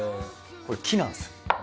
これ木なんですよ。